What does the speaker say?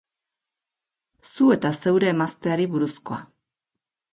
Zu eta zeure emazteari buruzkoa.